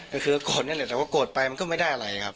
ก็คือโกรธนั่นแหละแต่ว่าโกรธไปมันก็ไม่ได้อะไรครับ